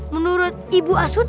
menurut ibu asun